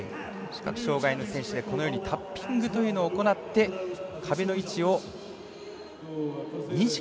視覚障がいの選手でこのようにタッピングというのを行って壁の位置を認識させるというものです。